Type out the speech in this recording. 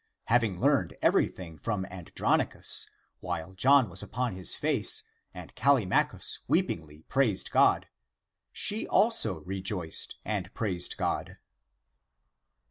Having learned .everything from Andron icus, while John was upon his face and Callimachus weepingly praised God, she also rejoiced and praised God.